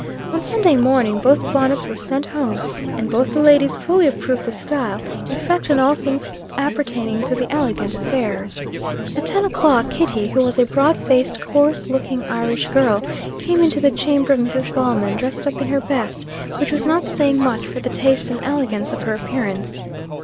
On Sunday morning both bonnets were sent home, and both the ladies fully approved the style, effect, and all things appertaining to the elegant affairs. At ten o'clock, Kitty, who was a broad faced, coarse looking Irish girl, came into the chamber of Mrs. Ballman, dressed up in her best, which was not saying much for the taste and elegance of her appearance.